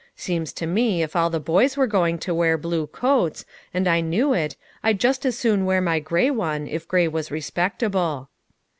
Seems to me if all the boys were going to wear blue coats, and I knew it, I'd just as soon wear my gray one if gray was respectable."